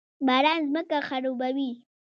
باران ځمکه خړوبوي